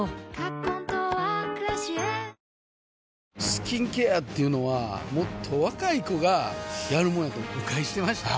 スキンケアっていうのはもっと若い子がやるもんやと誤解してました